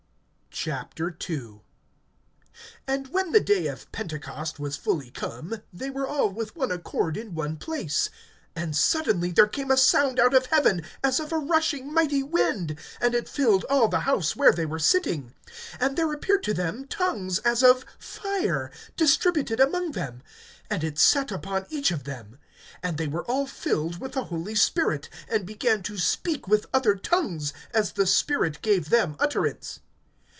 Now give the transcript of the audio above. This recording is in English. II. AND when the day of Pentecost was fully come, they were all with one accord in one place. (2)And suddenly there came a sound out of heaven as of a rushing mighty wind, and it filled all the house where they were sitting. (3)And there appeared to them tongues as of fire, distributed among them; and it sat upon each of them. (4)And they were all filled with the Holy Spirit, and began to speak with other tongues, as the Spirit gave them utterance.